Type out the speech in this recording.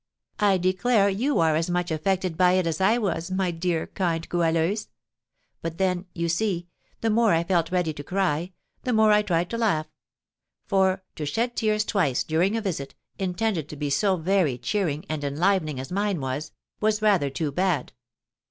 "I declare you are as much affected by it as I was, my dear, kind Goualeuse! But then, you see, the more I felt ready to cry, the more I tried to laugh; for, to shed tears twice during a visit, intended to be so very cheering and enlivening as mine was, was rather too bad.